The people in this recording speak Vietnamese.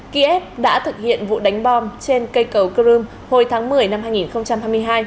kiev đã thực hiện vụ đánh bom trên cây cầu crimea hồi tháng một mươi năm hai nghìn hai mươi hai